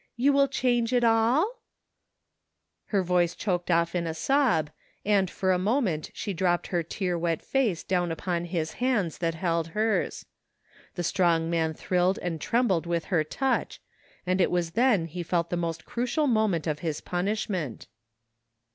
You will change itailf' Her voice dioked off in a sob and for a moment she dropped her tear wet face down upon his hands that held hers. The strong man thrilled and trembled with her touch and it was then he felt the most crucial moment of his ptmishment.